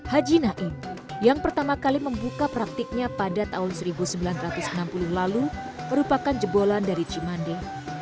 haji naim yang pertama kali membuka praktiknya pada tahun seribu sembilan ratus enam puluh lalu merupakan jebolan dari cimande